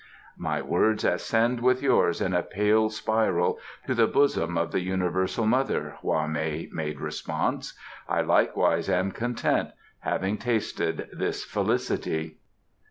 "My words ascend with yours in a pale spiral to the bosom of the universal mother," Hwa mei made response. "I likewise am content, having tasted this felicity."